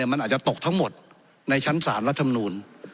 มันอาจจะตกทั้งหมดในชั้นศาลรัฐมนูล